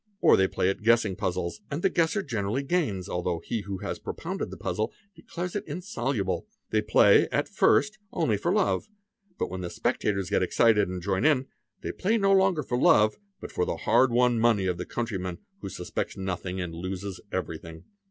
Or they play at guessing puzzles, and the guesser generally gains although he whe has propounded the puzzle declares it insoluble. They play, at first, only for love, but when the spectators get excited and join in, they play no longer for love but for the hard won money of the countryman, whi suspects nothing and loses everything.